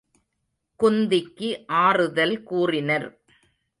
குந்திக்கு ஆறுதல் கூறினர்.